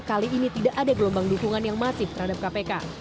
kali ini tidak ada gelombang dukungan yang masif terhadap kpk